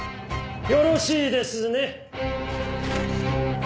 よろしいですね？